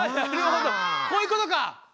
こういうことか。